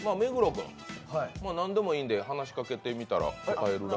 君、何でもいいので話しかけてみたら。